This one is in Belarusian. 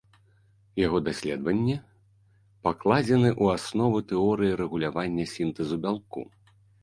Яго даследванні пакладзены ў аснову тэорыі рэгулявання сінтэзу бялку.